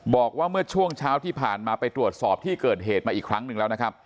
บอกว่าเมื่อช่วงเช้าที่ผ่านมาไปตรวจสอบที่เกิดเหตุมาอีกครั้งหนึ่งแล้วนะครับ